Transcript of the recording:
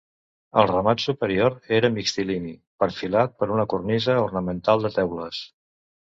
El remat superior era mixtilini, perfilat per una cornisa ornamental de teules.